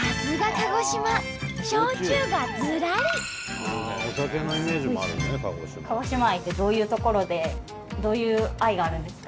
鹿児島愛ってどういうところでどういう愛があるんですか？